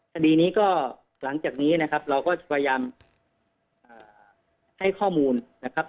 คดีนี้ก็หลังจากนี้นะครับเราก็จะพยายามให้ข้อมูลนะครับ